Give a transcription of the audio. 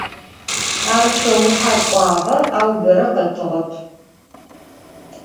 Ar şsouhe k'uağe, au bere khetığep.